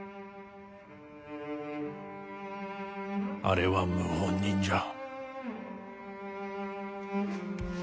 あれは謀反人じゃ。